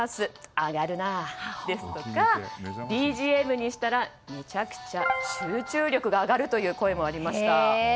上がるなですとかＢＧＭにしたらめちゃくちゃ集中力が上がるという声もありました。